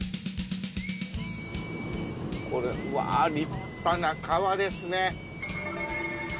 これうわ立派な川ですね。